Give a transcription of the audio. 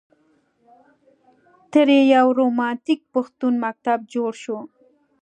ترې یو رومانتیک پښتون مکتب جوړ شو.